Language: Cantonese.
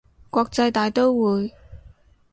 國際大刀會